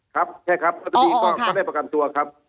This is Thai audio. ครับใช่ครับแล้วตอนนี้ก็ได้ประกันตัวครับ